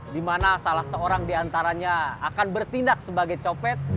dimana salah seorang diantaranya akan bertindak sebagai copet